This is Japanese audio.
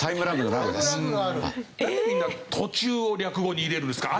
なんでみんな途中を略語に入れるんですか？